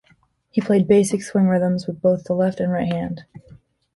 He played basic swing rhythms with both the left and the right hand.